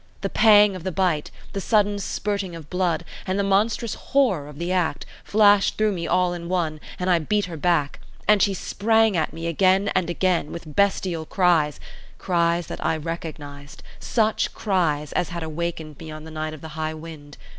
The pang of the bite, the sudden spurting of blood, and the monstrous horror of the act, flashed through me all in one, and I beat her back; and she sprang at me again and again, with bestial cries, cries that I recognised, such cries as had awakened me on the night of the high wind.